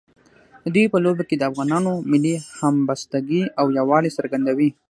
د دوی په لوبو کې د افغانانو ملي همبستګۍ او یووالي څرګندوي.